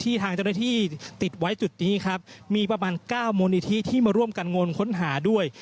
ทางเจ้าหน้าที่ติดไว้จุดนี้ครับมีประมาณ๙มูลนิธิที่มาร่วมกันงนค้นหาด้วย